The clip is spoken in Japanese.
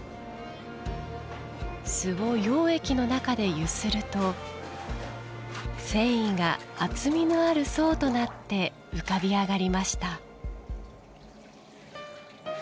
簀を溶液の中で揺すると繊維が厚みのある層となって浮かび上がりました。